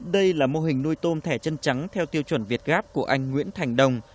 đây là mô hình nuôi tôm thẻ chân trắng theo tiêu chuẩn việt gáp của anh nguyễn thành đồng